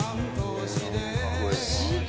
不思議。